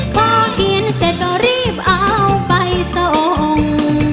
พอกินเสร็จก็รีบเอาไปส่ง